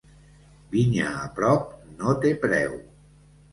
Vinya a prop no té preu.